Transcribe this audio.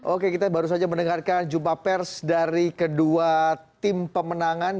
oke kita baru saja mendengarkan jumpa pers dari kedua tim pemenangan